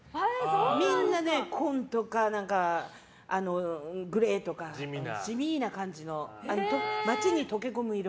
みんな、紺とかグレーとか地味な感じの街に溶け込む色。